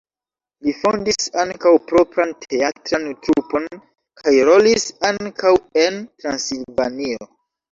Li fondis ankaŭ propran teatran trupon kaj rolis ankaŭ en Transilvanio.